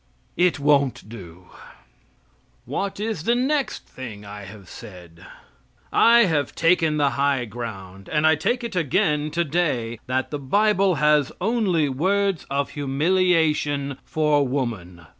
It won't do. What is the next thing I have said? I have taken the ground, and I take it again today, that the bible has only words of humiliation for woman.